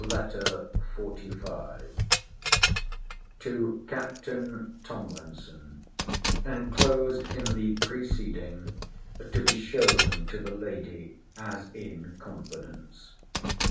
L. LETTER XLV TO CAPTAIN TOMLINSON [ENCLOSED IN THE PRECEDING; TO BE SHOWN TO THE LADY AS IN CONFIDENCE.